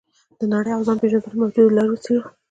د نړۍ او ځان پېژندلو موجودې لارې وڅېړو.